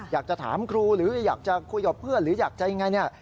อยากจะถามครูหรืออยากจะคุยกับเพื่อนหรืออยากจะยังไงเนี่ย